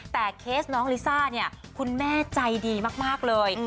แต่เคสน้องลิซ่าเนี่ยคุณแม่ใจดีมากเลย